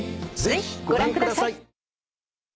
ぜひご覧ください。